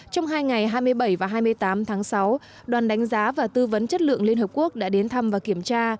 trong hai ngày hai mươi bảy và hai mươi tám tháng sáu đoàn đánh giá và tư vấn chất lượng liên hợp quốc đã đến thăm và kiểm tra